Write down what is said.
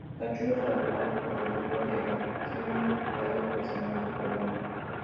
Su cachorro es adoptado por el grupo de Ben, siendo cuidado especialmente por Moss.